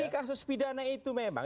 di kasus pidana itu memang